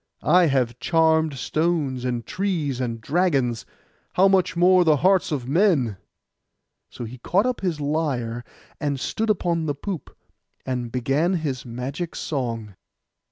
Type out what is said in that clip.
I have charmed stones, and trees, and dragons, how much more the hearts of men!' So he caught up his lyre, and stood upon the poop, and began his magic song.